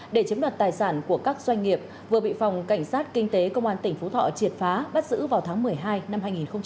để chiếm đoạt tài sản của các doanh nghiệp vừa bị phòng cảnh sát kinh tế công an tỉnh phú thọ triệt phá bắt giữ vào tháng một mươi hai năm hai nghìn hai mươi ba